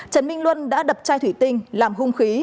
trần minh luân đã đập chai thủy tinh làm hung khí